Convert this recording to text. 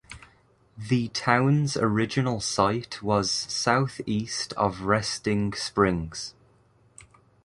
The town's original site was southeast of Resting Springs.